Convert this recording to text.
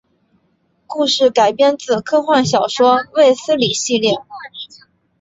故事改编自科幻小说卫斯理系列。